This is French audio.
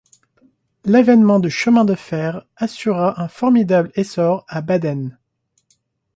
L'avènement du chemin de fer assura un formidable essor à Baden.